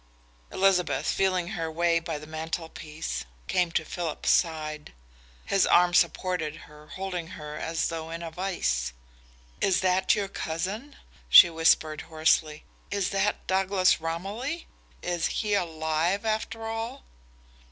Elizabeth, feeling her way by the mantelpiece, came to Philip's side. His arm supported her, holding her as though in a vise. "Is that your cousin?" she whispered hoarsely. "Is that Douglas Romilly? Is he alive, after all?"